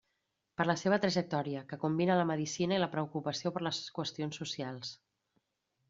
Per la seva trajectòria, que combina la medicina i la preocupació per les qüestions socials.